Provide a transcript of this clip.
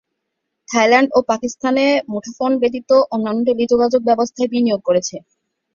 Thailand ও পাকিস্তানে মুঠোফোন-ব্যতীত অন্যান্য টেলিযোগাযোগ ব্যবস্থায় বিনিয়োগ করেছে।